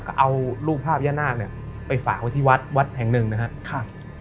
ก็เอารูปภาพย่านาคเนี่ยไปฝากไว้ที่วัดวัดแห่งหนึ่งนะครับ